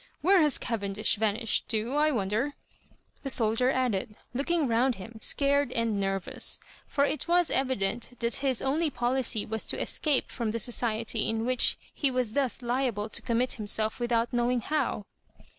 Where has Cavendish va nished to, I wonder ?" the soldier added, lookmg round him, scared and nervous — for it was evi dent that his only policy was to escape from society in which he was thus liable to commit himself without knowing how.